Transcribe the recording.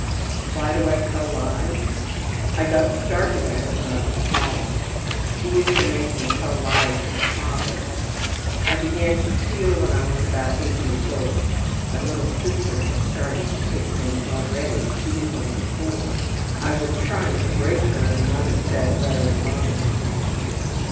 ``Why do I tell lies? I got started at it when I was small. She used to make me tell lies to my father. I began to steal when I was about 8 years old. My little sister has started to take things already. She is only 4. I was trying to break her and mother said, `Let her alone.'